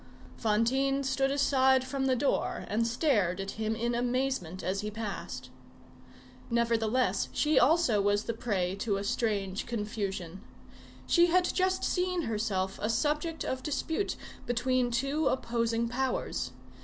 Fantine stood aside from the door and stared at him in amazement as he passed. Nevertheless, she also was the prey to a strange confusion. She had just seen herself a subject of dispute between two opposing powers.